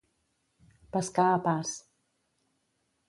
Pescar a pas.